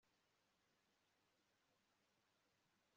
bahaguruka bagakomeza